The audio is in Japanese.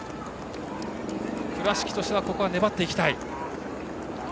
倉敷としては粘っていきたい。